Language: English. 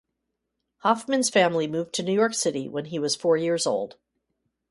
Hoffmann's family moved to New York City when he was four years old.